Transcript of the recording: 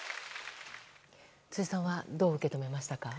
辻さんはどう受け止めましたか。